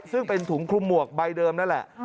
ซึ่งเป็นถุงคลุมหมวกใบเดิมนั่นแหละ